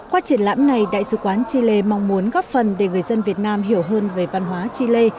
qua triển lãm này đại sứ quán chile mong muốn góp phần để người dân việt nam hiểu hơn về văn hóa chile